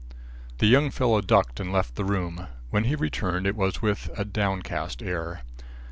The young fellow ducked and left the room. When he returned, it was with a downcast air.